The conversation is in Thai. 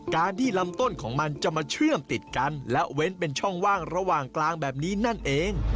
การที่ลำต้นของมันจะมาเชื่อมติดกันและเว้นเป็นช่องว่างระหว่างกลางแบบนี้นั่นเอง